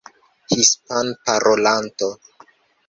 hispanparolanto